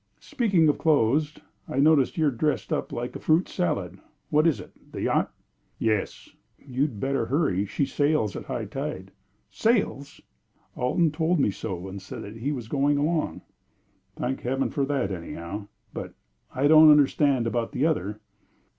"Speaking of clothes, I notice you are dressed up like a fruit salad. What is it? The yacht!" "Yes." "You'd better hurry; she sails at high tide." "Sails!" "Alton told me so, and said that he was going along." "Thank Heaven for that, anyhow, but I don't understand about the other."